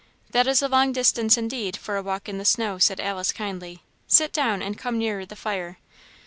"That is a long distance, indeed, for a walk in the snow," said Alice, kindly; "sit down, and come nearer the fire.